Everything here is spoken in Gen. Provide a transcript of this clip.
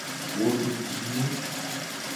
Wo du ji.